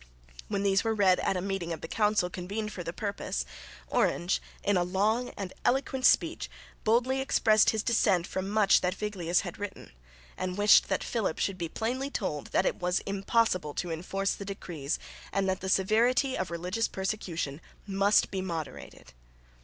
When these were read at a meeting of the council convened for the purpose, Orange in a long and eloquent speech boldly expressed his dissent from much that Viglius had written, and wished that Philip should be plainly told that it was impossible to enforce the decrees and that the severity of religious persecution must be moderated.